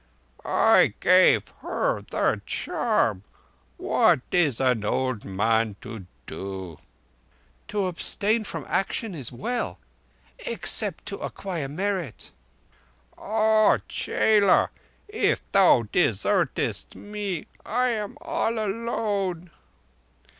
"I gave her the charm. What is an old man to do?" "'To abstain from action is well—except to acquire merit.'" "Ah chela, if thou desertest me, I am all alone."